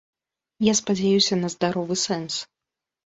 Я спадзяюся на здаровы сэнс.